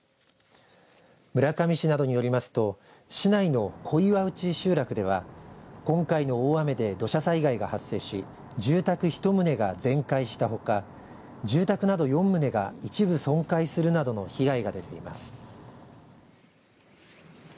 村上市などによりますと市内の小岩内集落では今回の大雨で土砂災害が発生し住宅１棟が全壊したほか住宅など４棟が一部、損壊するなどの被害が出ています。